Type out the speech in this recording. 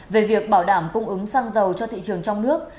về việc bảo đảm cung ứng xăng dầu cho thị trường trong nước